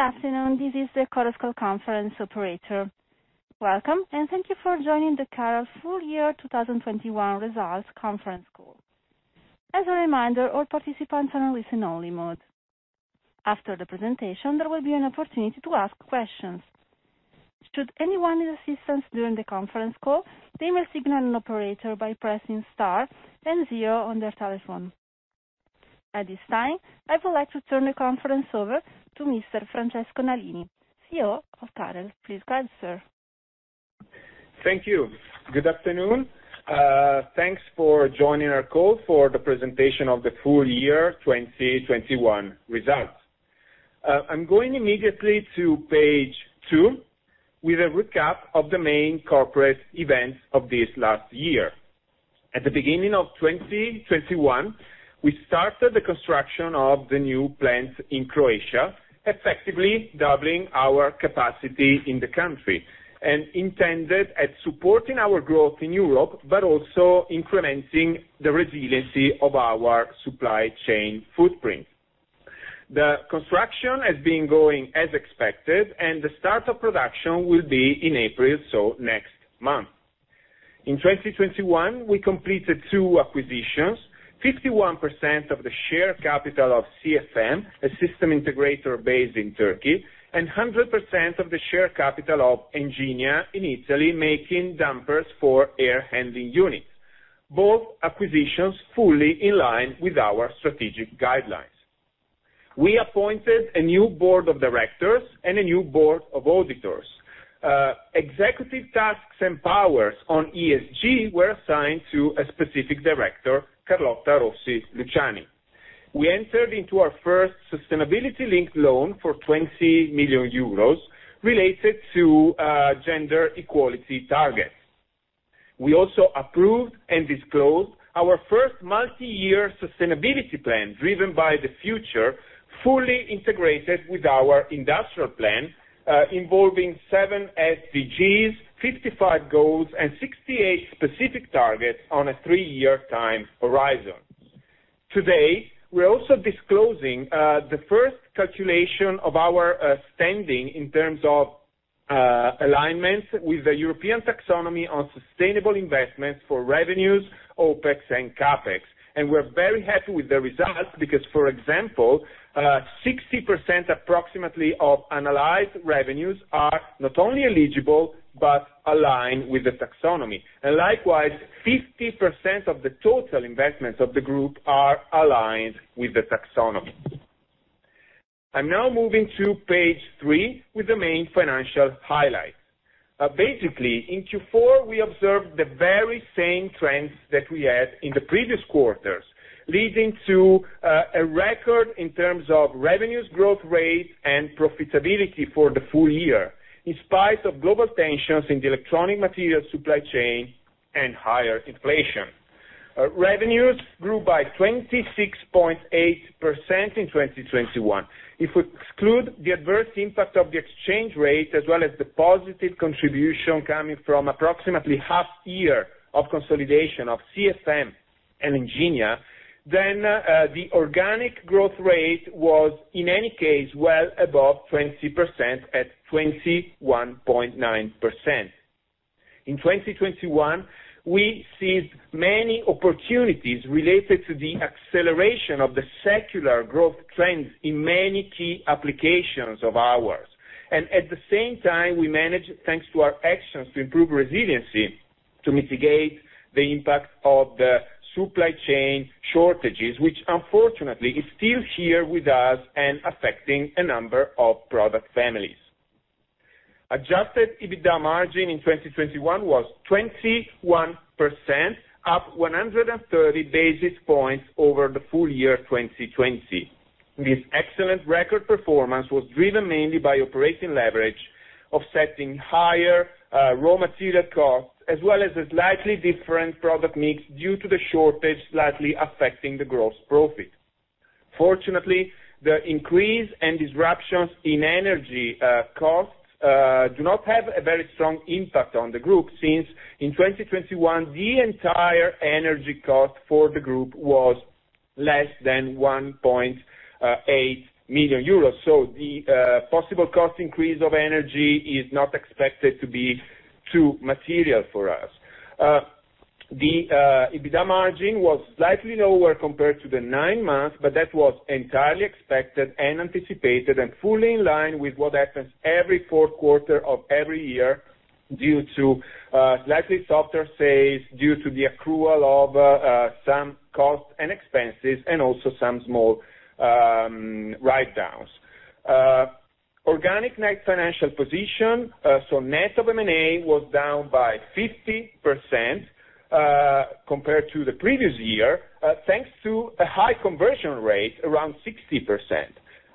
Good afternoon. This is the quarterly conference call operator. Welcome, and thank you for joining the Carel full year 2021 results conference call. As a reminder, all participants are in listen-only mode. After the presentation, there will be an opportunity to ask questions. Should anyone need assistance during the conference call, they may signal an operator by pressing star then zero on their telephone. At this time, I would like to turn the conference over to Mr. Francesco Nalini, CEO of Carel. Please go ahead, sir. Thank you. Good afternoon. Thanks for joining our call for the presentation of the full year 2021 results. I'm going immediately to page 2, with a recap of the main corporate events of this last year. At the beginning of 2021, we started the construction of the new plant in Croatia, effectively doubling our capacity in the country and intended to support our growth in Europe, but also increasing the resiliency of our supply chain footprint. The construction has been going as expected, and the start of production will be in April, so next month. In 2021, we completed 2 acquisitions, 51% of the share capital of CFM, a system integrator based in Turkey, and 100% of the share capital of Enginia in Italy, making dampers for air handling units. Both acquisitions fully in line with our strategic guidelines. We appointed a new board of directors and a new board of auditors. Executive tasks and powers on ESG were assigned to a specific director, Carlotta Rossi Luciani. We entered into our first sustainability link loan for 20 million euros related to gender equality targets. We also approved and disclosed our first multi-year sustainability plan, Driven by the Future, fully integrated with our industrial plan, involving 7 SDGs, 55 goals, and 68 specific targets on a 3-year time horizon. Today, we're also disclosing the first calculation of our standing in terms of alignment with the EU Taxonomy on sustainable investments for revenues, OpEx, and CapEx. We're very happy with the results because, for example, approximately 60% of analyzed revenues are not only eligible, but aligned with the taxonomy. Likewise, 50% of the total investments of the group are aligned with the taxonomy. I'm now moving to page 3 with the main financial highlights. Basically, in Q4, we observed the very same trends that we had in the previous quarters, leading to a record in terms of revenues growth rate and profitability for the full year, in spite of global tensions in the electronic material supply chain and higher inflation. Revenues grew by 26.8% in 2021. If we exclude the adverse impact of the exchange rate, as well as the positive contribution coming from approximately half year of consolidation of CFM and Enginia, then the organic growth rate was, in any case, well above 20% at 21.9%. In 2021, we seized many opportunities related to the acceleration of the secular growth trends in many key applications of ours. At the same time, we managed, thanks to our actions to improve resiliency, to mitigate the impact of the supply chain shortages, which unfortunately is still here with us and affecting a number of product families. Adjusted EBITDA margin in 2021 was 21%, up 130 basis points over the full year 2020. This excellent record performance was driven mainly by operating leverage, offsetting higher raw material costs, as well as a slightly different product mix due to the shortage slightly affecting the gross profit. Fortunately, the increase and disruptions in energy costs do not have a very strong impact on the group, since in 2021, the entire energy cost for the group was less than 1.8 million euros. The possible cost increase of energy is not expected to be too material for us. The EBITDA margin was slightly lower compared to the nine months, but that was entirely expected and anticipated and fully in line with what happens every fourth quarter of every year due to slightly softer sales, due to the accrual of some costs and expenses, and also some small writedowns. Organic net financial position, so net of M&A was down by 50%, compared to the previous year, thanks to a high conversion rate, around 60%.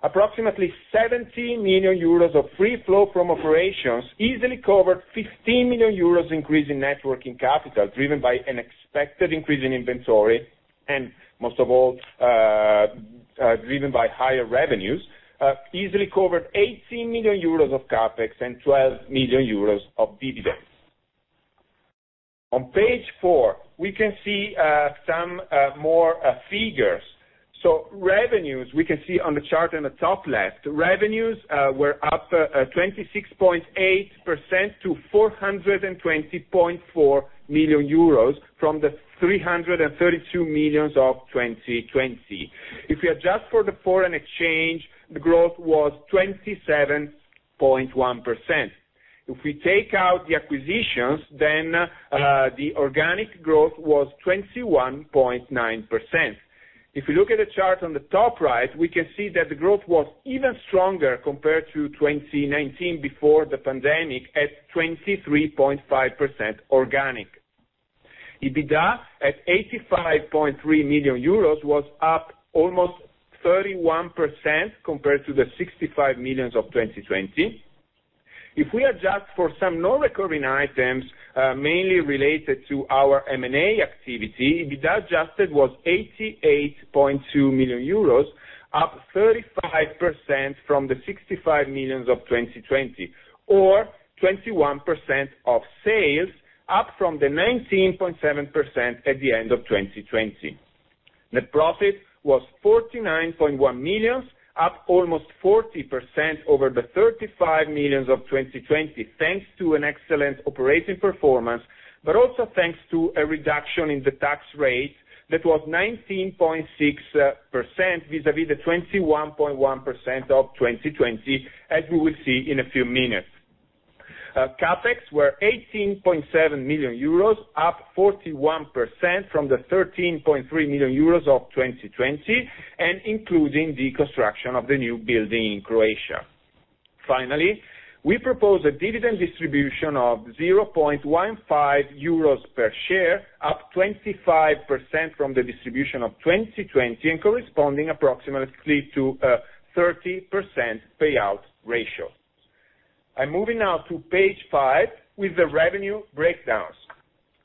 Approximately 70 million euros of free cash flow from operations easily covered 15 million euros increase in net working capital, driven by an expected increase in inventory, and most of all, driven by higher revenues, easily covered 18 million euros of CapEx and 12 million euros of dividends. On page four, we can see some more figures. Revenues, we can see on the chart in the top left, revenues were up 26.8% to 420.4 million euros from the 332 million of 2020. If we adjust for the foreign exchange, the growth was 27.1%. If we take out the acquisitions, then the organic growth was 21.9%. If you look at the chart on the top right, we can see that the growth was even stronger compared to 2019 before the pandemic, at 23.5% organic. EBITDA at 85.3 million euros was up almost 31% compared to the 65 million of 2020. If we adjust for some non-recurring items, mainly related to our M&A activity, EBITDA adjusted was 88.2 million euros, up 35% from the 65 million of 2020, or 21% of sales up from the 19.7% at the end of 2020. Net profit was 49.1 million, up almost 40% over the 35 million of 2020, thanks to an excellent operating performance, but also thanks to a reduction in the tax rate that was 19.6% vis-à-vis the 21.1% of 2020, as we will see in a few minutes. CapEx were 18.7 million euros, up 41% from the 13.3 million euros of 2020, and including the construction of the new building in Croatia. Finally, we propose a dividend distribution of 0.15 euros per share, up 25% from the distribution of 2020, and corresponding approximately to 30% payout ratio. I'm moving now to page 5 with the revenue breakdowns.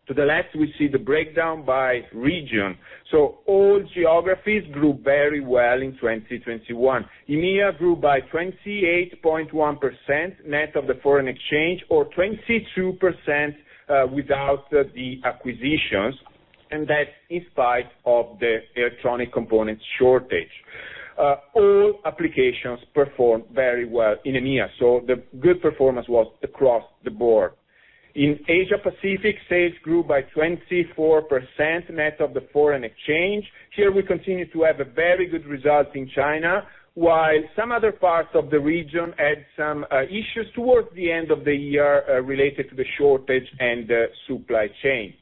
To the left we see the breakdown by region. All geographies grew very well in 2021. EMEA grew by 28.1%, net of the foreign exchange or 22%, without the acquisitions, and that's in spite of the electronic component shortage. All applications performed very well in EMEA, so the good performance was across the board. In Asia Pacific, sales grew by 24%, net of the foreign exchange. Here we continue to have a very good result in China, while some other parts of the region had some issues towards the end of the year, related to the shortage and the supply chain.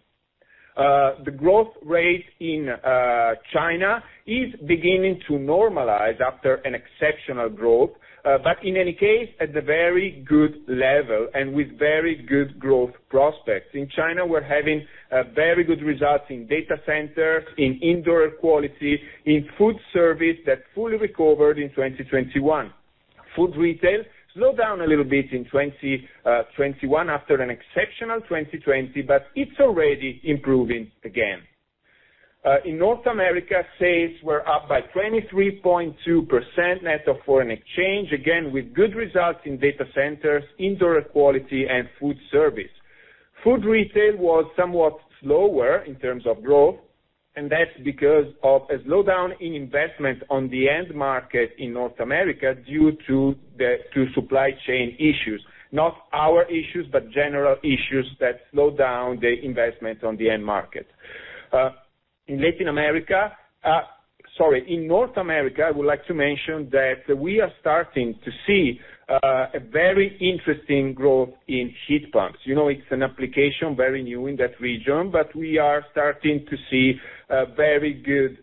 The growth rate in China is beginning to normalize after an exceptional growth, but in any case, at the very good level and with very good growth prospects. In China, we're having very good results in data center, in indoor air quality, in food service that fully recovered in 2021. Food retail slowed down a little bit in 2021 after an exceptional 2020, but it's already improving again. In North America, sales were up by 23.2%, net of foreign exchange. Again, with good results in data centers, indoor air quality, and food service. Food retail was somewhat slower in terms of growth, and that's because of a slowdown in investment on the end market in North America due to the supply chain issues. Not our issues, but general issues that slowed down the investment on the end market. In North America, I would like to mention that we are starting to see a very interesting growth in heat pumps. You know, it's an application very new in that region, but we are starting to see very good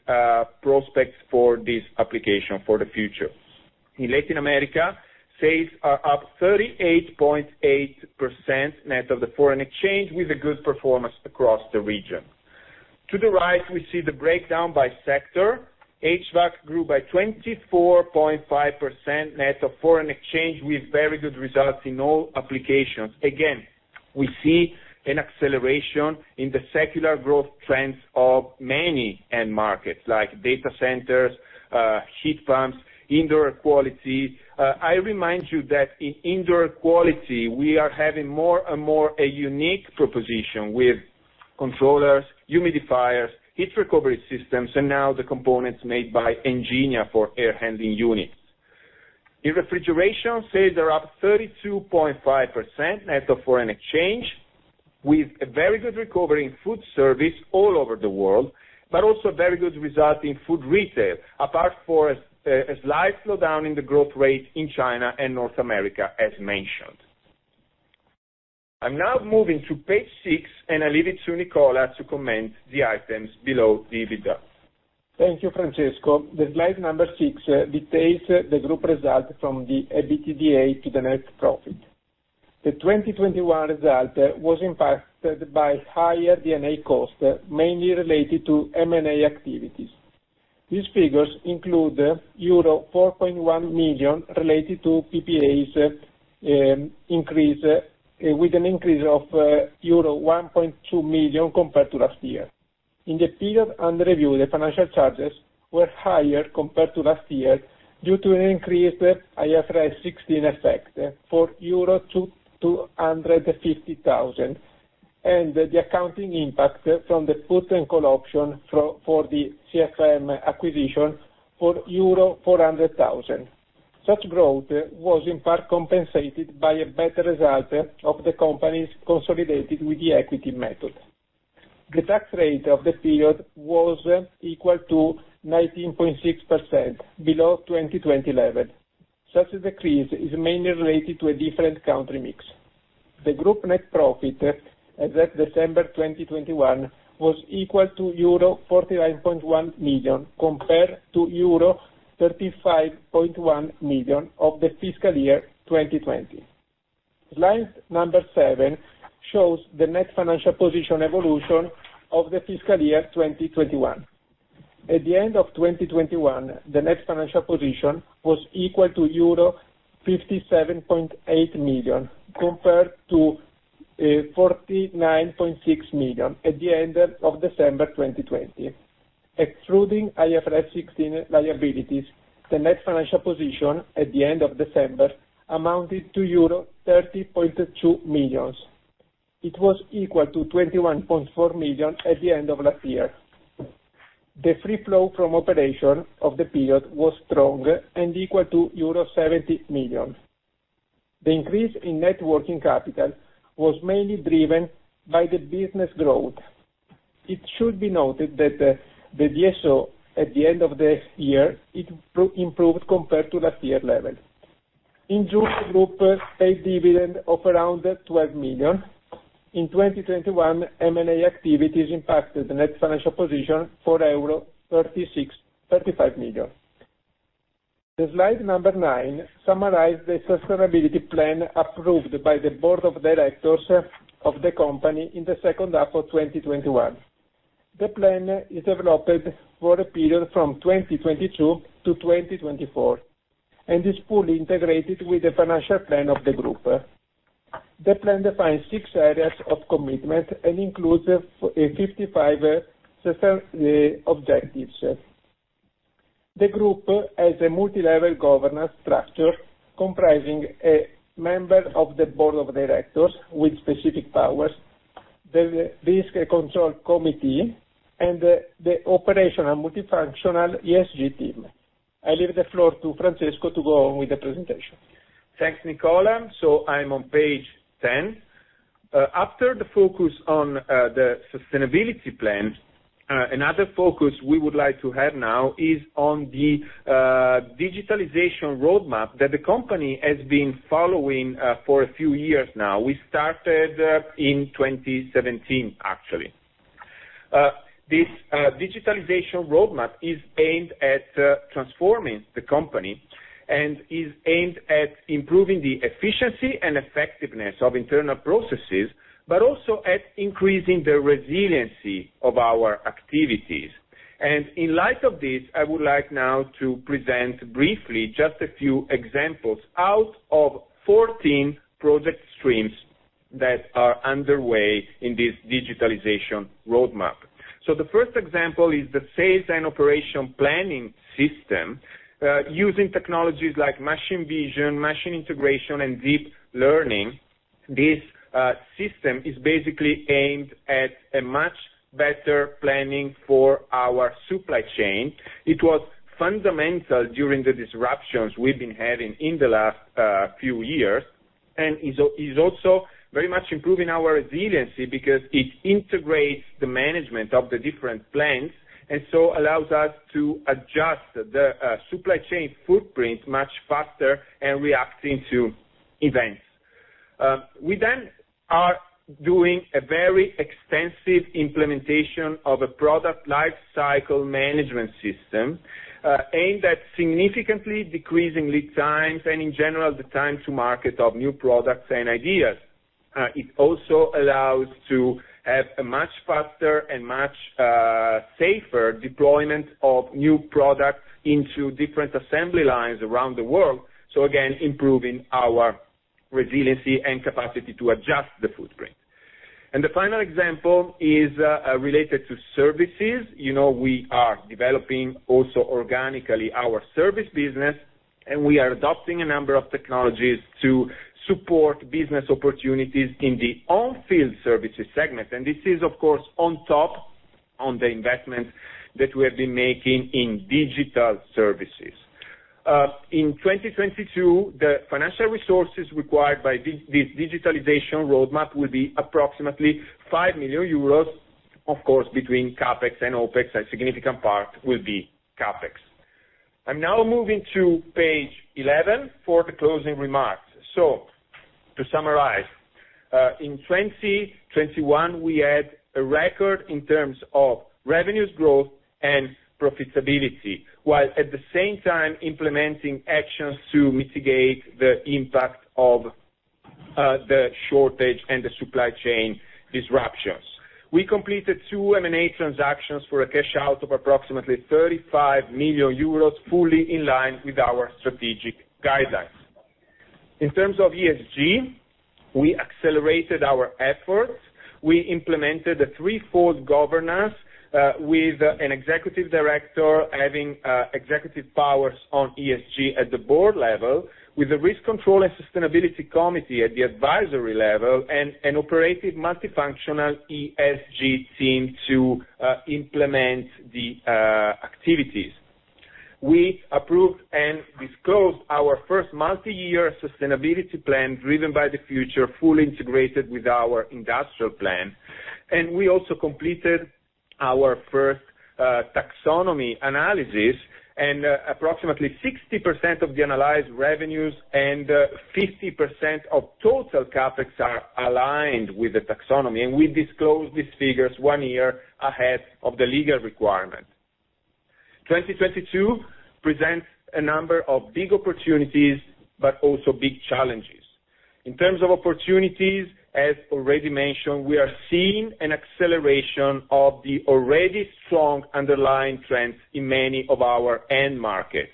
prospects for this application for the future. In Latin America, sales are up 38.8%, net of the foreign exchange, with a good performance across the region. To the right, we see the breakdown by sector. HVAC grew by 24.5%, net of foreign exchange, with very good results in all applications. Again, we see an acceleration in the secular growth trends of many end markets like data centers, heat pumps, indoor air quality. I remind you that in indoor air quality, we are having more and more a unique proposition with controllers, humidifiers, heat recovery systems, and now the components made by Enginia for air handling units. In refrigeration, sales are up 32.5%, net of foreign exchange, with a very good recovery in food service all over the world, but also very good result in food retail, apart from a slight slowdown in the growth rate in China and North America as mentioned. I'm now moving to page six, and I leave it to Nicola to comment the items below the EBITDA. Thank you, Francesco. The slide number 6 details the group result from the EBITDA to the net profit. The 2021 result was impacted by higher D&A costs, mainly related to M&A activities. These figures include euro 4.1 million related to PPAs increase with an increase of euro 1.2 million compared to last year. In the period under review, the financial charges were higher compared to last year due to an increased IFRS 16 effect for 250 thousand euro, and the accounting impact from the put and call option for the CFM acquisition for euro 400 thousand. Such growth was in part compensated by a better result of the company's consolidated with the equity method. The tax rate of the period was equal to 19.6%, below 2020 level. Such a decrease is mainly related to a different country mix. The group net profit as at December 2021 was equal to euro 49.1 million, compared to euro 35.1 million of the fiscal year 2020. Slide 7 shows the net financial position evolution of the fiscal year 2021. At the end of 2021, the net financial position was equal to euro 57.8 million, compared to 49.6 million at the end of December 2020. Excluding IFRS 16 liabilities, the net financial position at the end of December amounted to euro 30.2 million. It was equal to 21.4 million at the end of last year. The free cash flow from operations of the period was strong and equal to euro 70 million. The increase in net working capital was mainly driven by the business growth. It should be noted that the DSO at the end of this year, it improved compared to last year level. In June, the group paid dividend of around 12 million. In 2021, M&A activities impacted the net financial position for 35 million. The slide number 9 summarizes the sustainability plan approved by the board of directors of the company in the second half of 2021. The plan is developed for a period from 2022 to 2024, and is fully integrated with the financial plan of the group. The plan defines six areas of commitment and includes 55 sustainability objectives. The group has a multilevel governance structure comprising a member of the board of directors with specific powers, the risk and control committee, and the operational multifunctional ESG team. I leave the floor to Francesco to go on with the presentation. Thanks, Nicola. I'm on page 10. After the focus on the sustainability plan, another focus we would like to have now is on the digitalization roadmap that the company has been following for a few years now. We started in 2017, actually. This digitalization roadmap is aimed at transforming the company and is aimed at improving the efficiency and effectiveness of internal processes, but also at increasing the resiliency of our activities. In light of this, I would like now to present briefly just a few examples out of 14 project streams that are underway in this digitalization roadmap. The first example is the sales and operation planning system. Using technologies like machine vision, machine integration and deep learning, this system is basically aimed at a much better planning for our supply chain. It was fundamental during the disruptions we've been having in the last few years, and is also very much improving our resiliency because it integrates the management of the different plans, and so allows us to adjust the supply chain footprint much faster and reacting to events. We are doing a very extensive implementation of a product lifecycle management system aimed at significantly decreasing lead times and, in general, the time to market of new products and ideas. It also allows to have a much faster and much safer deployment of new products into different assembly lines around the world, so again, improving our resiliency and capacity to adjust the footprint. The final example is related to services. You know, we are developing also organically our service business, and we are adopting a number of technologies to support business opportunities in the on-field services segment. This is, of course, on top of the investment that we have been making in digital services. In 2022, the financial resources required by this digitalization roadmap will be approximately 5 million euros, of course, between CapEx and OpEx, a significant part will be CapEx. I'm now moving to page 11 for the closing remarks. To summarize, in 2021, we had a record in terms of revenues growth and profitability, while at the same time implementing actions to mitigate the impact of the shortage and the supply chain disruptions. We completed two M&A transactions for a cash out of approximately 35 million euros, fully in line with our strategic guidelines. In terms of ESG, we accelerated our efforts. We implemented a three-fold governance with an executive director having executive powers on ESG at the board level, with a risk control and sustainability committee at the advisory level, and an operative multifunctional ESG team to implement the activities. We approved and disclosed our first multi-year sustainability plan, Driven by the Future, fully integrated with our industrial plan. We also completed our first taxonomy analysis, and approximately 60% of the analyzed revenues and 50% of total CapEx are aligned with the taxonomy. We disclose these figures one year ahead of the legal requirement. 2022 presents a number of big opportunities, but also big challenges. In terms of opportunities, as already mentioned, we are seeing an acceleration of the already strong underlying trends in many of our end markets.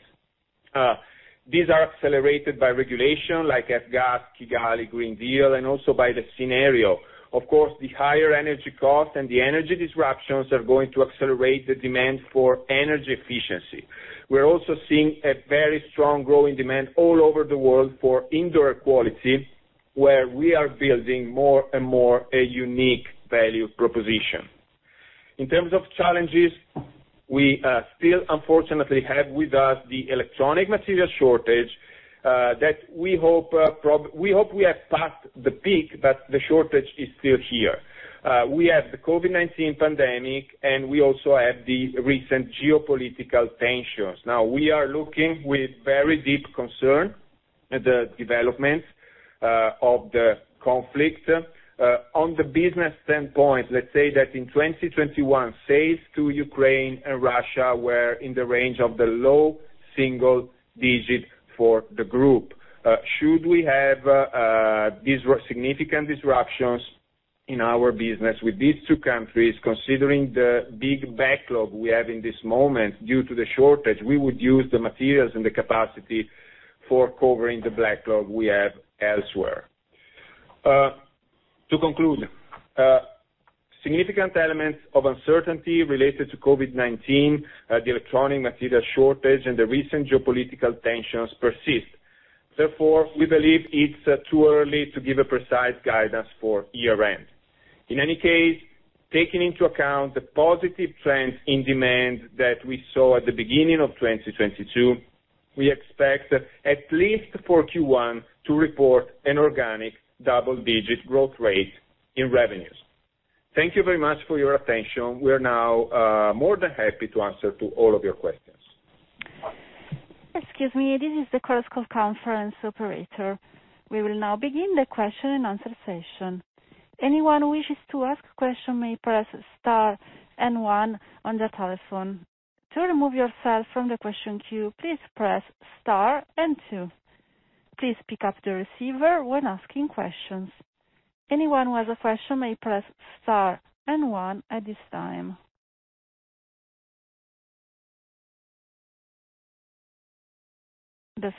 These are accelerated by regulation like F-gas, Kigali, Green Deal, and also by the scenario. Of course, the higher energy cost and the energy disruptions are going to accelerate the demand for energy efficiency. We're also seeing a very strong growing demand all over the world for indoor air quality, where we are building more and more a unique value proposition. In terms of challenges, we still unfortunately have with us the electronic material shortage that we hope we have passed the peak, but the shortage is still here. We have the COVID-19 pandemic, and we also have the recent geopolitical tensions. Now, we are looking with very deep concern at the developments of the conflict. On the business standpoint, let's say that in 2021, sales to Ukraine and Russia were in the range of the low single-digit% for the group. Should we have significant disruptions in our business with these two countries, considering the big backlog we have in this moment due to the shortage, we would use the materials and the capacity for covering the backlog we have elsewhere. To conclude, significant elements of uncertainty related to COVID-19, the electronic material shortage, and the recent geopolitical tensions persist. Therefore, we believe it's too early to give a precise guidance for year-end. In any case, taking into account the positive trends in demand that we saw at the beginning of 2022, we expect at least for Q1 to report an organic double-digit% growth rate in revenues. Thank you very much for your attention. We are now more than happy to answer to all of your questions. The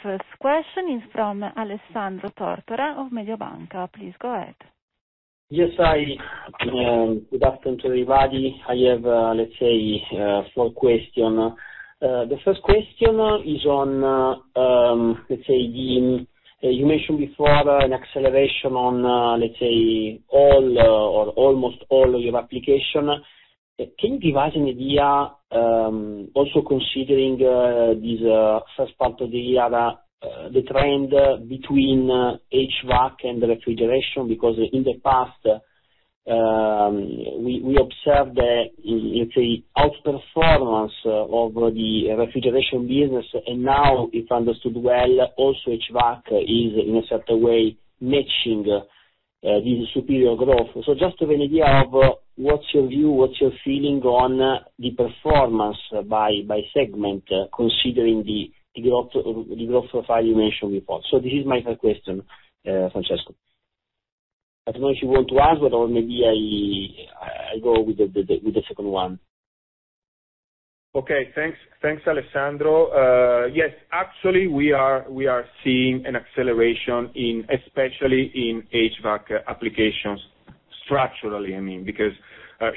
first question is from Alessandro Tortora of Mediobanca. Please go ahead. Yes. Hi, good afternoon to everybody. I have, let's say, four questions. The first question is on, let's say. You mentioned before an acceleration on, let's say, all or almost all of your applications. Can you give us an idea, also considering this first part of the year, the trend between HVAC and refrigeration? Because in the past, we observed the, let's say, outperformance of the refrigeration business. Now, if I understood well, also HVAC is in a certain way matching this superior growth. Just to have an idea of what's your view, what's your feeling on the performance by segment, considering the growth profile you mentioned before. This is my first question, Francesco. I don't know if you want to answer it, or maybe I go with the second one. Okay, thanks. Thanks, Alessandro. Yes, actually, we are seeing an acceleration especially in HVAC applications, structurally, I mean. Because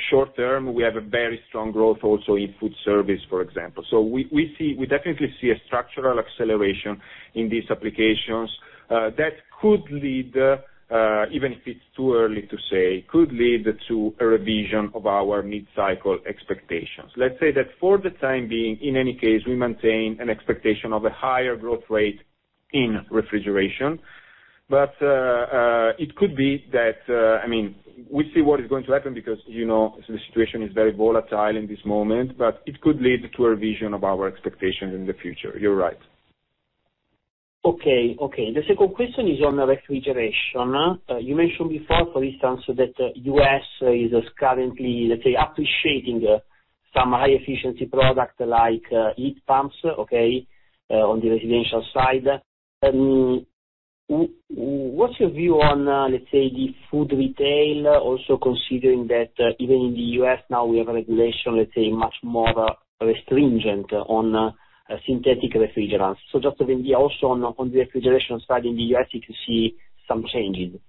short term, we have a very strong growth also in food service, for example. We definitely see a structural acceleration in these applications that could lead, even if it's too early to say, to a revision of our mid-cycle expectations. Let's say that for the time being, in any case, we maintain an expectation of a higher growth rate in refrigeration. It could be that, I mean, we see what is going to happen because, you know, the situation is very volatile in this moment, but it could lead to a revision of our expectations in the future. You're right. The second question is on refrigeration. You mentioned before, for instance, that the U.S. is currently, let's say, appreciating some high efficiency product like heat pumps on the residential side. What's your view on, let's say, the food retail, also considering that even in the U.S. now we have a regulation, let's say, much more stringent on synthetic refrigerants. Just to give me also on the refrigeration side in the U.S., if you see some changes.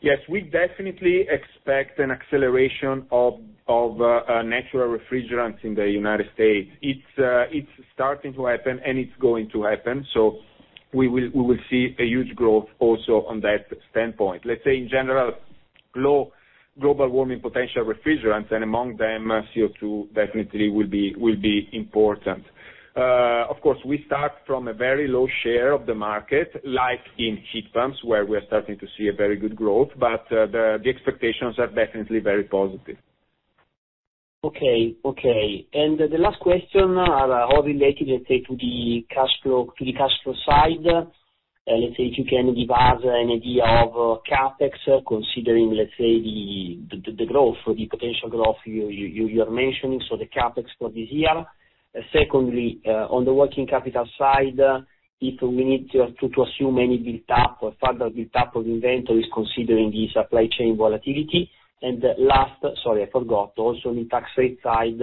Yes, we definitely expect an acceleration of natural refrigerants in the United States. It's starting to happen and it's going to happen. We will see a huge growth also on that standpoint. Let's say in general, low global warming potential refrigerants, and among them, CO2 definitely will be important. Of course, we start from a very low share of the market, like in heat pumps, where we are starting to see a very good growth, but the expectations are definitely very positive. Okay, okay. The last question are all related, let's say, to the cash flow side. If you can give us an idea of CapEx, considering, let's say, the growth or the potential growth you are mentioning, so the CapEx for this year. Secondly, on the working capital side, if we need to assume any built-up or further built-up of inventories considering the supply chain volatility. Last, sorry, I forgot, also the tax rate side,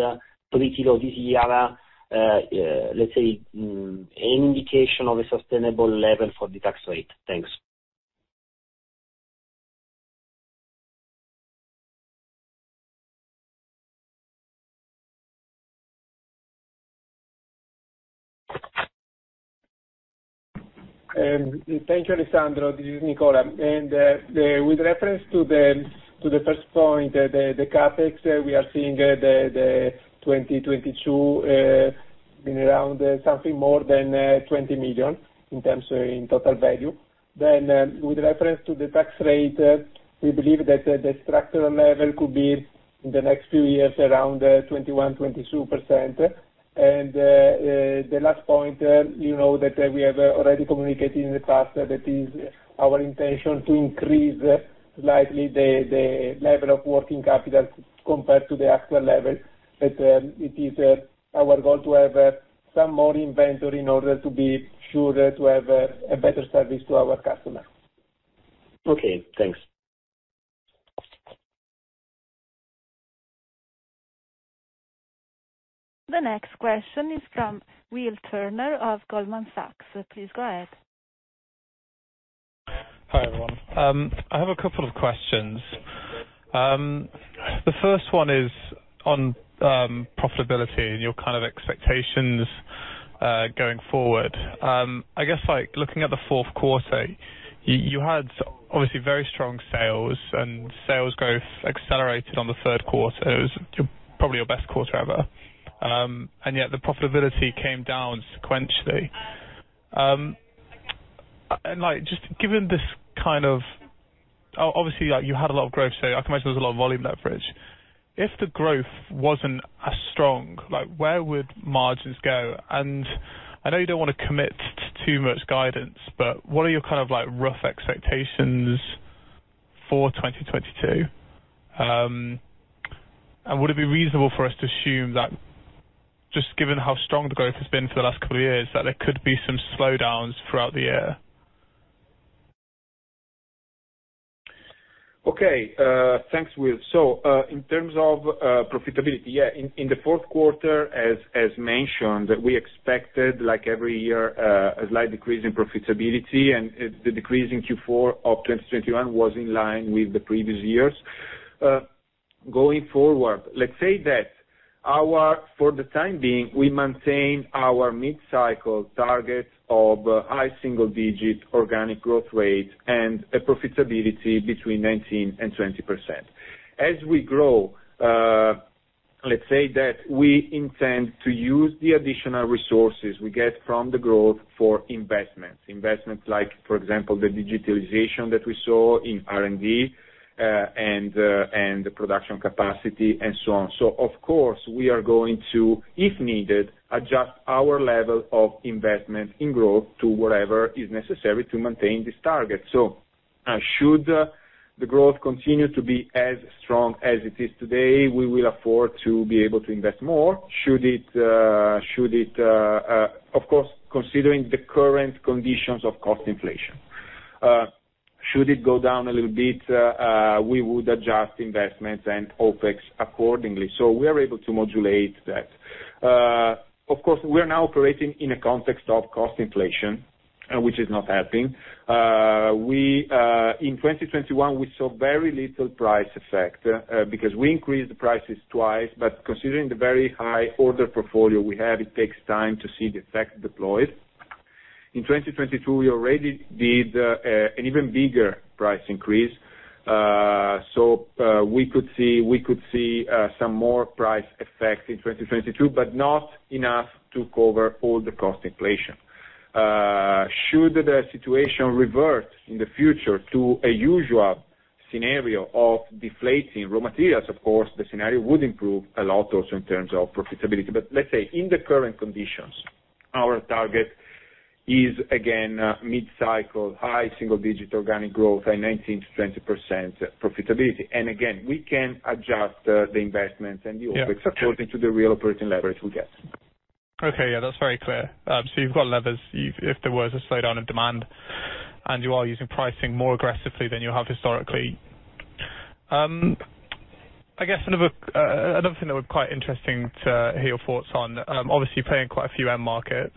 30% this year, let's say, any indication of a sustainable level for the tax rate. Thanks. Thank you, Alessandro. This is Nicola. With reference to the first point, the CapEx, we are seeing 2022 being around something more than 20 million in terms in total value. With reference to the tax rate, we believe that the structural level could be in the next few years around 21%-22%. The last point, you know that we have already communicated in the past that it is our intention to increase slightly the level of working capital compared to the actual level. It is our goal to have some more inventory in order to be sure to have a better service to our customers. Okay, thanks. The next question is from William Turner of Goldman Sachs. Please go ahead. Hi, everyone. I have a couple of questions. The first one is on profitability and your kind of expectations going forward. I guess, like, looking at the fourth quarter, you had obviously very strong sales, and sales growth accelerated in the third quarter. It was probably your best quarter ever. Yet the profitability came down sequentially. Like, just given, obviously, like, you had a lot of growth, so I can imagine there was a lot of volume leverage. If the growth wasn't as strong, like, where would margins go? And I know you don't wanna commit to too much guidance, but what are your kind of, like, rough expectations for 2022? Would it be reasonable for us to assume that just given how strong the growth has been for the last couple of years, that there could be some slowdowns throughout the year? Okay. Thanks, William. In terms of profitability, yeah, in the fourth quarter, as mentioned, we expected, like every year, a slight decrease in profitability. The decrease in Q4 of 2021 was in line with the previous years. Going forward, let's say that for the time being, we maintain our mid-cycle targets of high single-digit organic growth rate and a profitability between 19%-20%. As we grow, let's say that we intend to use the additional resources we get from the growth for investments. Investments like, for example, the digitalization that we saw in R&D and the production capacity and so on. Of course, we are going to, if needed, adjust our level of investment in growth to whatever is necessary to maintain this target. Should the growth continue to be as strong as it is today, we will afford to be able to invest more. Of course, considering the current conditions of cost inflation. Should it go down a little bit, we would adjust investments and OpEx accordingly. We are able to modulate that. Of course, we are now operating in a context of cost inflation, which is not helping. In 2021, we saw very little price effect, because we increased the prices twice. Considering the very high order portfolio we have, it takes time to see the effect deployed. In 2022, we already did an even bigger price increase. We could see some more price effect in 2022, but not enough to cover all the cost inflation. Should the situation revert in the future to a usual scenario of deflating raw materials, of course, the scenario would improve a lot also in terms of profitability. Let's say in the current conditions, our target is again mid-cycle, high single-digit organic growth and 19%-20% profitability. We can adjust the investments and the OpEx according to the real operating leverage we get. Okay. Yeah, that's very clear. So you've got levers if there was a slowdown in demand, and you are using pricing more aggressively than you have historically. I guess another thing that we're quite interested to hear your thoughts on, obviously you play in quite a few end markets.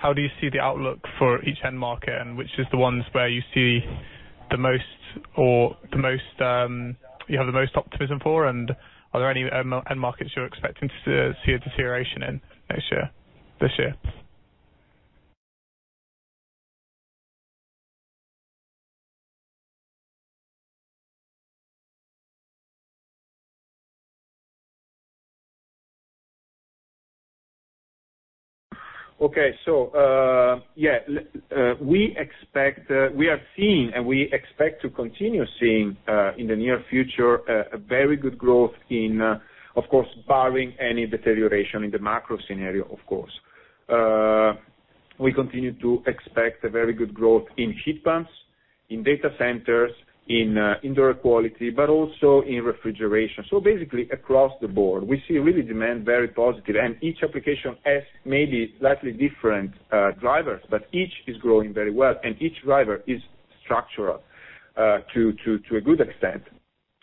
How do you see the outlook for each end market, and which is the ones where you see the most you have the most optimism for? Are there any end markets you're expecting to see a deterioration in next year, this year? Okay. We are seeing, and we expect to continue seeing, in the near future, a very good growth in, of course, barring any deterioration in the macro scenario, of course. We continue to expect a very good growth in heat pumps, in data centers, in indoor quality, but also in refrigeration. Basically across the board. We see really very positive demand. Each application has maybe slightly different drivers, but each is growing very well, and each driver is structural to a good extent.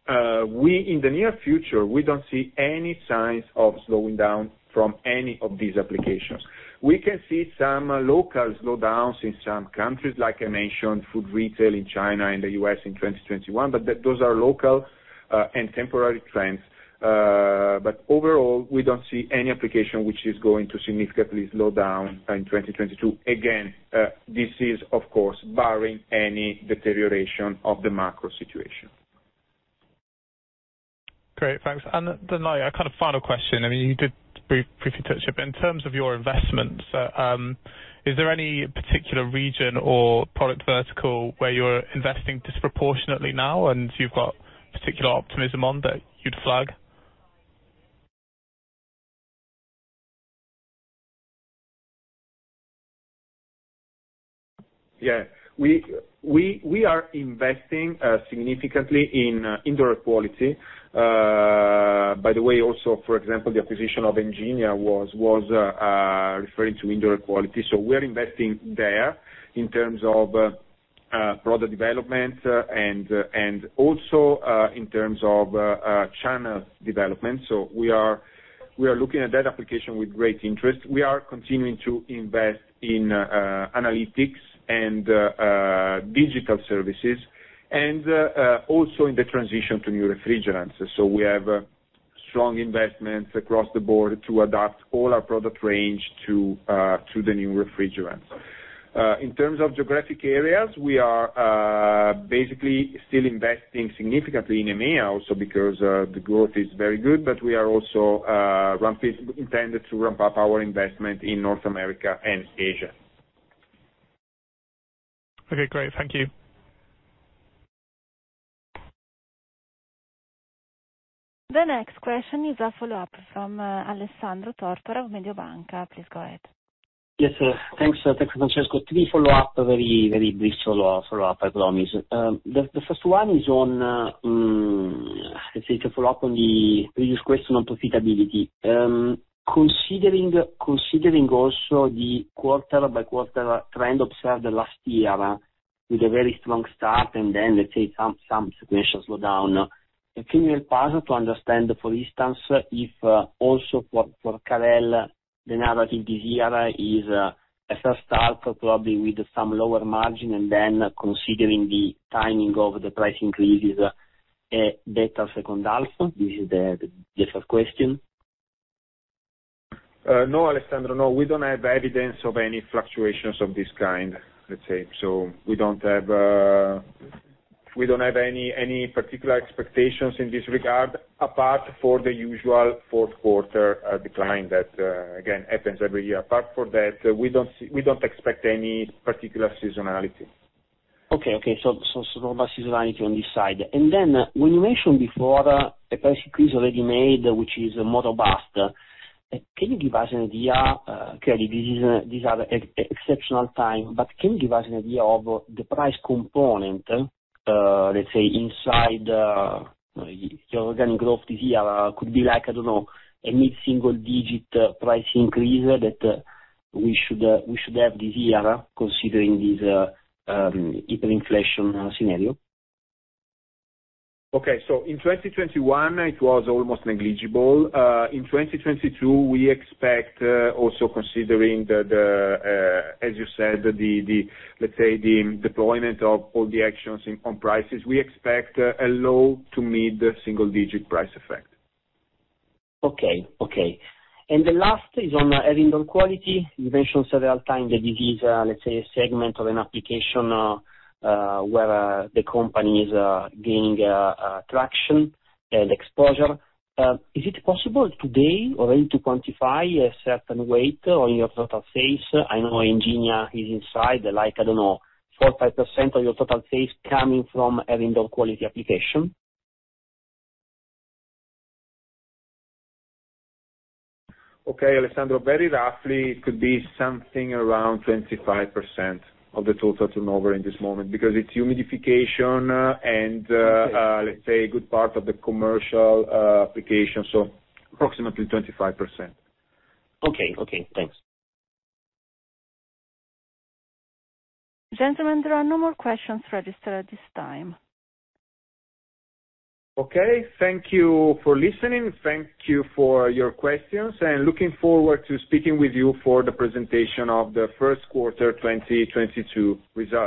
In the near future, we don't see any signs of slowing down from any of these applications. We can see some local slowdowns in some countries, like I mentioned, food retail in China, in the U.S. in 2021, but those are local and temporary trends. Overall, we don't see any application which is going to significantly slow down in 2022. Again, this is, of course, barring any deterioration of the macro situation. Great. Thanks. A kind of final question. I mean, you did briefly touch it. In terms of your investments, is there any particular region or product vertical where you're investing disproportionately now and you've got particular optimism on that you'd flag? Yeah. We are investing significantly in indoor quality. By the way, also, for example, the acquisition of Enginia was referring to indoor quality. So we're investing there in terms of product development and also in terms of channel development. So we are looking at that application with great interest. We are continuing to invest in analytics and digital services, and also in the transition to new refrigerants. So we have strong investments across the board to adapt all our product range to the new refrigerants. In terms of geographic areas, we are basically still investing significantly in EMEA also because the growth is very good, but we are also intended to ramp up our investment in North America and Asia. Okay, great. Thank you. The next question is a follow-up from Alessandro Tortora of Mediobanca. Please go ahead. Yes, thanks. Thanks, Francesco. Three follow-up. Very brief follow-up, I promise. The first one is on, let's say to follow up on the previous question on profitability. Considering also the quarter by quarter trend observed last year with a very strong start and then, let's say some sequential slowdown. Can you help us to understand, for instance, if also for Carel, the narrative this year is a false start, probably with some lower margin, and then considering the timing of the price increases, better second half? This is the first question. No, Alessandro, no. We don't have evidence of any fluctuations of this kind, let's say. We don't have any particular expectations in this regard, apart from the usual fourth quarter decline that again happens every year. Apart from that, we don't expect any particular seasonality. Okay. No seasonality on this side. Then when you mentioned before the price increase already made, which is model-based, can you give us an idea, clearly these are exceptional times, but can you give us an idea of the price component, let's say, inside your organic growth this year? Could be like, I don't know, a mid-single digit price increase that we should have this year considering this hyperinflation scenario. Okay. In 2021, it was almost negligible. In 2022, we expect also considering the, as you said, the, let's say, the deployment of all the actions on prices, we expect a low- to mid-single-digit price effect. Okay. The last is on indoor air quality. You mentioned several times that this is, let's say, a segment of an application where the company is gaining traction and exposure. Is it possible today already to quantify a certain weight on your total sales? I know Enginia is inside, like, I don't know, 4-5% of your total sales coming from indoor air quality application. Okay, Alessandro. Very roughly, it could be something around 25% of the total turnover in this moment because it's humidification and, let's say a good part of the commercial application. Approximately 25%. Okay. Thanks. Gentlemen, there are no more questions registered at this time. Okay. Thank you for listening. Thank you for your questions, and looking forward to speaking with you for the presentation of the first quarter 2022 results.